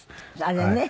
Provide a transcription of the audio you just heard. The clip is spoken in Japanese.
あれね。